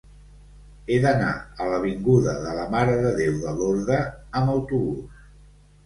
He d'anar a l'avinguda de la Mare de Déu de Lorda amb autobús.